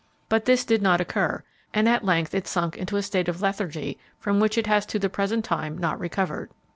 But this did not occur, and at length it sunk into a state of lethargy from which it has to the present time not recovered.